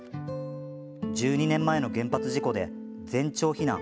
１２年前の原発事故で全町避難。